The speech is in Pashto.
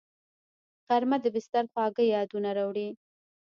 غرمه د بستر خواږه یادونه راوړي